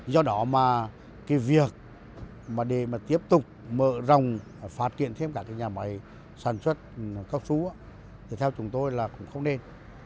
do đó mà cái việc để mà tiếp tục mở rồng phát triển thêm các nhà máy sản xuất cao su theo chúng tôi là cũng không nên